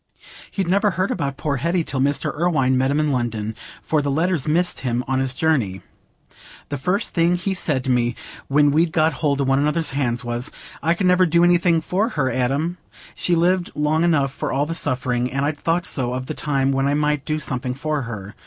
He'd never heard about poor Hetty till Mr. Irwine met him in London, for the letters missed him on his journey. The first thing he said to me, when we'd got hold o' one another's hands was, 'I could never do anything for her, Adam—she lived long enough for all the suffering—and I'd thought so of the time when I might do something for her.